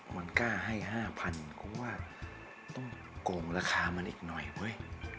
มันกล้าให้๕๐๐เพราะว่าต้องโกงราคามันอีกหน่อยเว้ย